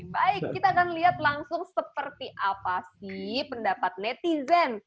baik kita akan lihat langsung seperti apa sih pendapat netizen